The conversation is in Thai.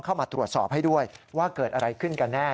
เข้ามาตรวจสอบให้ด้วยว่าเกิดอะไรขึ้นกันแน่